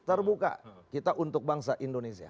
terbuka kita untuk bangsa indonesia